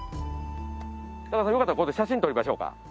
高田さんよかったらここで写真撮りましょうか。